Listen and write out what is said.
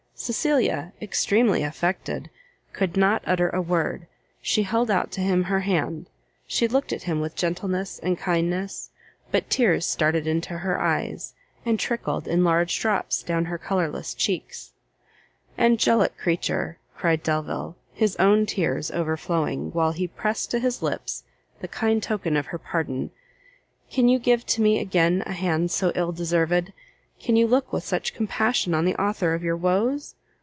Cecilia, extremely affected, could not utter a word; she held out to him her hand, she looked at him with gentleness and kindness, but tears started into her eyes, and trickled in large drops down her colourless cheeks. "Angelic creature!" cried Delvile, his own tears overflowing, while he pressed to his lips the kind token of her pardon, "can you give to me again a hand so ill deserved? can you look with such compassion on the author of your woes?